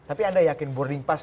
tapi anda yakin boarding pass